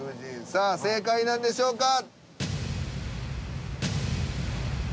さあ正解なんでしょうか？